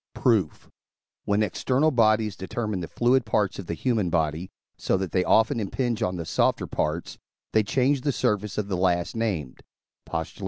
Proof. When external bodies determine the fluid parts of the human body, so that they often impinge on the softer parts, they change the surface of the last named (Post.